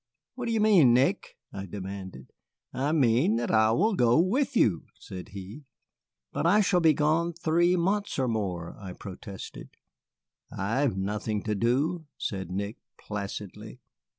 "What do you mean, Nick?" I demanded. "I mean that I will go with you," said he. "But I shall be gone three months or more," I protested. "I have nothing to do," said Nick, placidly.